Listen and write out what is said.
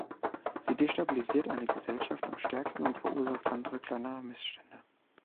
Sie destabilisiert eine Gesellschaft am stärksten und verursacht andere, kleinere Missstände.